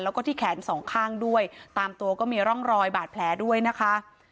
แล้วก็ที่แขนสองข้างด้วยตามตัวก็มีร่องรอยบาดแผลด้วยนะคะ